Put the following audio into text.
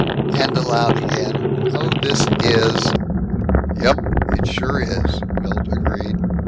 And, aloud again, "Oh, this is " "Yump. It sure is," Milt agreed.